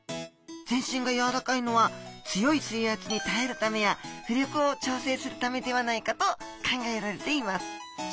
全身がやわらかいのは強い水圧に耐えるためや浮力を調整するためではないかと考えられています。